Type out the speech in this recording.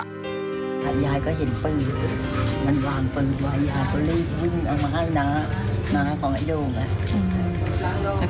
นายโด่งจะไปกับใจมนต์